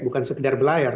bukan sekedar belayar